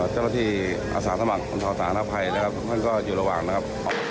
เจ้าหน้าที่อสาธารณะผ่านภัยนะครับมันก็อยู่ระหว่างนะครับ